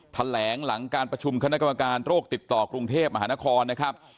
แถลงหลังการประชุมคณะกรรมการโรคติดต่อกรุงเทพมหานครนะครับ